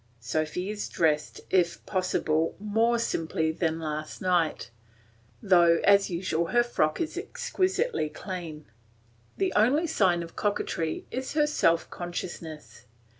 Sophy is dressed, if possible, more simply than last night, though as usual her frock is exquisitely clean. The only sign of coquetry is her self consciousness.